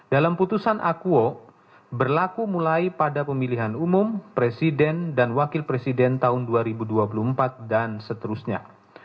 dalam putusan akuo berlaku mulai pada pemilihan umum presiden dan wakil presiden tahun dua ribu dua puluh empat dan seterusnya